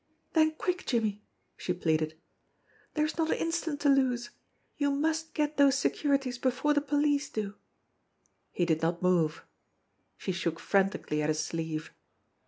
"Then quick, Jimmie!" she pleaded. "There is not an instant to lose. You must get those securities before the police do !" He did not move. She shook frantically at his sleeve.